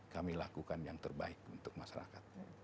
kami lakukan yang terbaik untuk masyarakat